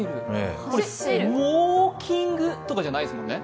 ウォーキングとかじゃないですもんね。